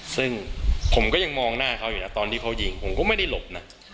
ซึ่งผมก็ยังมองหน้าเขาอยู่นะตอนที่เขายิงผมก็ไม่ได้หลบนะ